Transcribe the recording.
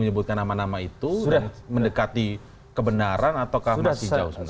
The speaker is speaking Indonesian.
menyebutkan nama nama itu sudah mendekati kebenaran ataukah masih jauh sebenarnya